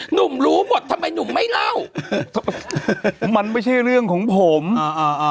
หนูรู้หมดทำไมหนุ่มไม่เล่าทำไมมันไม่ใช่เรื่องของผมอ่าอ่า